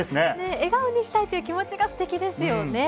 笑顔にしたいという気持ちが素敵ですよね。